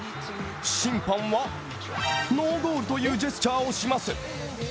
審判はノーゴールというジェスチャーをします